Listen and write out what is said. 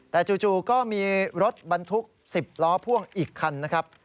แต่จู่ก็มีรถบรรทุก๑๐ล้อพ่วงอีกคันนะครับ